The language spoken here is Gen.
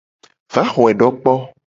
Va xoe do kpo.